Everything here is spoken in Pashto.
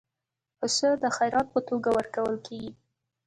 پسه د خیرات په توګه ورکول کېږي.